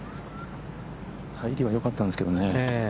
入りはよかったんですけどね。